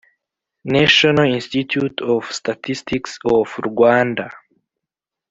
National Institute of Statistics of Rwanda